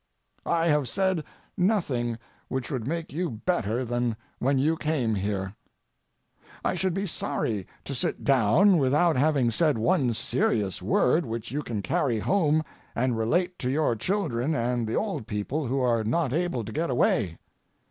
I have said nothing which would make you better than when you came here. I should be sorry to sit down without having said one serious word which you can carry home and relate to your children and the old people who are not able to get away.